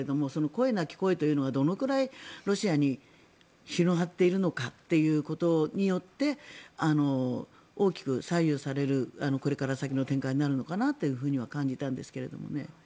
声なき声というのがどのくらいロシアに広がっているのかということによって大きく左右されるこれから先の展開になるのかなとは感じたんですけどね。